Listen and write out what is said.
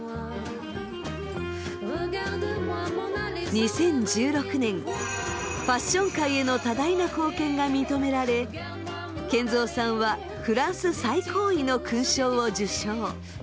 ２０１６年ファッション界への多大な貢献が認められ賢三さんはフランス最高位の勲章を受章。